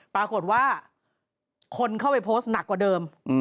ปรากฏว่าคนเข้าไปโพสต์หนักกว่าเดิม